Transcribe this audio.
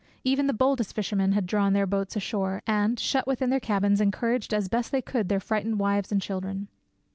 Even the boldest fishermen had drawn their boats ashore, and, shut within their cabins, encouraged as best they could their frightened wives and children.